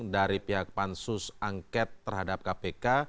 dari pihak pansus angket terhadap kpk